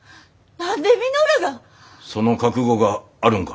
その覚悟があるんか。